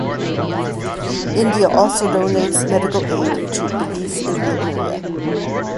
India also donates Medical aid to Belize and Liberia.